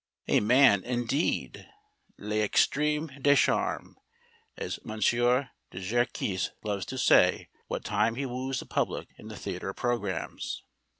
A man, indeed! L'extrême de charme, as M. Djer Kiss loves to say what time he woos the public in the theatre programmes.